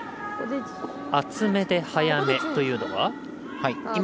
厚めで速めというのは？